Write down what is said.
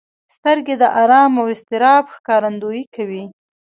سترګې د ارام او اضطراب ښکارندويي کوي